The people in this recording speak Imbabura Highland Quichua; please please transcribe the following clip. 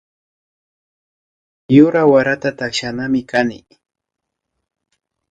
Yura warata takshanami kani